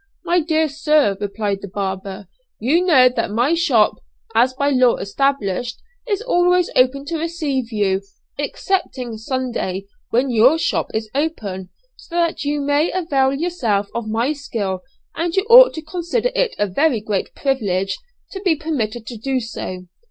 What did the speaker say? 'My dear sir,' replied the barber, 'you know that my shop, as by law established, is always open to receive you, excepting Sunday, when your shop is open, so that you may avail yourself of my skill, and you ought to consider it a very great privilege to be permitted to do so.'